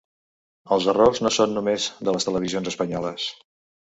Els errors no són només de les televisions espanyoles.